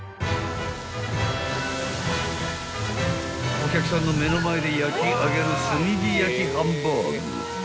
［お客さんの目の前で焼き上げる炭火焼きハンバーグ］